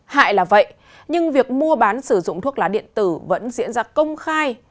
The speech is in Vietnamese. hại là vậy nhưng việc mua bán sử dụng thuốc lá điện tử vẫn diễn ra công khai